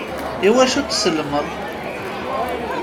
Iwacu tsellmeḍ?